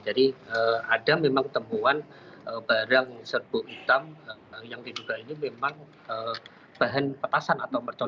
jadi ada memang temuan barang serbuk hitam yang diduga ini memang bahan petasan atau mercon